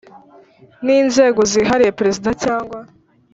N inzego zihariye perezida cyangwa